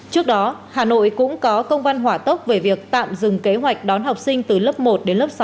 trước đó hà nội cũng có công văn hỏa tốc về việc tạm dừng kế hoạch đón học sinh từ lớp một đến lớp sáu